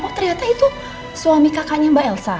oh ternyata itu suami kakaknya mbak elsa